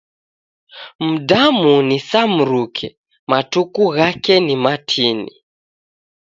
Mdamu ni sa mruke, matuku ghake ni matini.